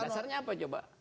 dasarnya apa coba